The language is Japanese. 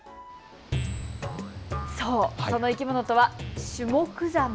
その生き物とはシュモクザメ。